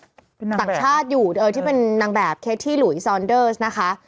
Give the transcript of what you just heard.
ต่างชาติอยู่เออที่เป็นนางแบบเคสที่หลุยซอนเดอร์สนะคะ